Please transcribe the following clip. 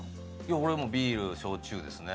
俺もビール焼酎ですね。